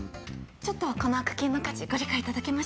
ちょっとはこのアクキーの価値ご理解頂けました？